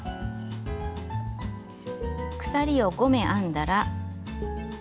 鎖を５目編んだら。